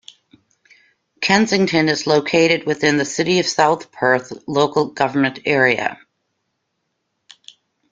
Kensington is located within the City of South Perth local government area.